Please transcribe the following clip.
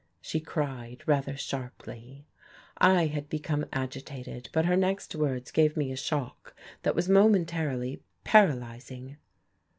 she cried, rather sharply. I had become agitated, but her next words gave me a shock that was momentarily paralyzing.